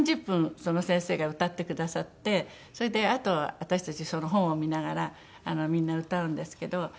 その先生が歌ってくださってそれであとは私たちその本を見ながらみんな歌うんですけど。